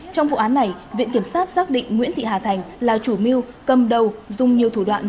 trong vụ án này viện kiểm sát xác định nguyễn thị hà thành là chủ mưu cầm đầu dùng nhiều thủ đoạn